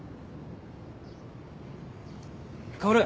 薫